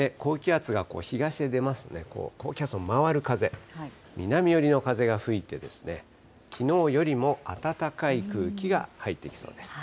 高気圧が東へ出ますと、高気圧をまわる風、南寄りの風が吹いてですね、きのうよりも暖かい空気が入ってきそうです。